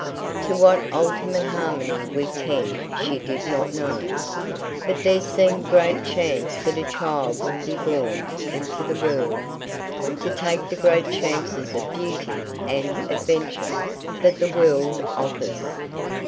To what ultimate harmony we tend she did not know, but there seemed great chance that a child would be born into the world, to take the great chances of beauty and adventure that the world offers.